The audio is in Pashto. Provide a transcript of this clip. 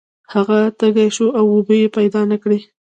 هغه تږی شو او اوبه یې پیدا نه کړې.